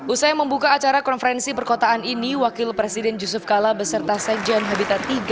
usai membuka acara konferensi perkotaan ini wakil presiden yusuf kalla beserta sekretaris jenderal un habitat tiga